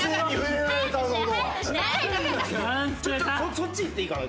そっち行っていいかな？